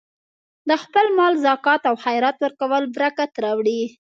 د خپل مال زکات او خیرات ورکول برکت راوړي.